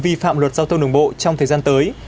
vi phạm luật giao thông đường bộ trong thời gian tới